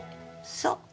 そう。